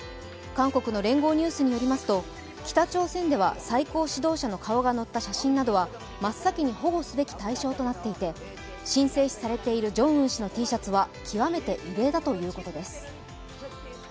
韓国の聯合ニュースによりますと、北朝鮮では最高指導者の顔が載った写真などは真っ先に保護すべき対象となっていて神聖視されているジョンウン氏のＴシャツは極めて異例だということです。